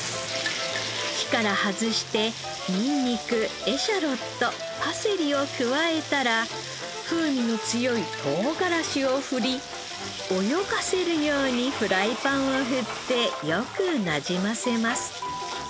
火から外してニンニクエシャロットパセリを加えたら風味の強いトウガラシを振り泳がせるようにフライパンを振ってよくなじませます。